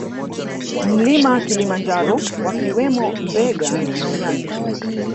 Mlima Kilimanjaro wakiwemo mbega na nyani